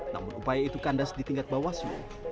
namun upaya itu kandas di tingkat bawah seluruh